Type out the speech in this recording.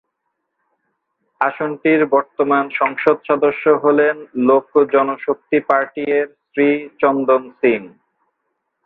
আসনটির বর্তমান সংসদ সদস্য হলেন লোক জন শক্তি পার্টি-এর শ্রী চন্দন সিং।